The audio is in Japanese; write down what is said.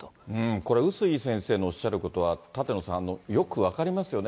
これ、碓井先生のおっしゃることは、舘野さん、よく分かりますよね。